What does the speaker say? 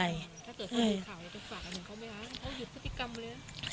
ถ้าเกิดข้อมูลข่าวอยากจะฝากอันนึงเขาไหมคะเขาหยุดพฤติกรรมเลยอ่ะ